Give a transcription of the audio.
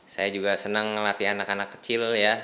saya juga senang ngelatih anak anak kecil ya